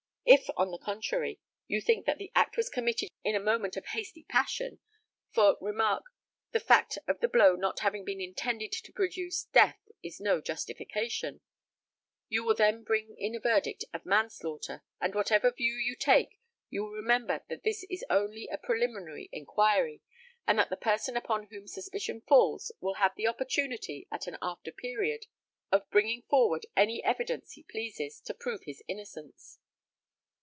If, on the contrary, you think that the act was committed in a moment of hasty passion for, remark, the fact of the blow not having been intended to produce death is no justification you will then bring in a verdict of 'Manslaughter;' and whatever view you take, you will remember that this is only a preliminary inquiry, and that the person upon whom suspicion falls will have the opportunity, at an after period, of bringing forward any evidence he pleases, to prove his innocence."